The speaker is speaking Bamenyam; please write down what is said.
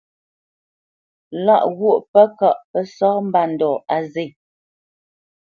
Lâʼ ghwô pə́ kâʼ pə́ sá mbândɔ̂ á zê.